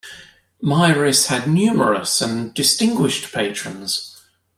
Mieris had numerous and distinguished patrons.